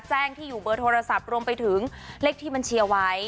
แจ้งที่อยู่เบอร์โทรศัพท์รวมไปถึงเลขที่บัญชีไว้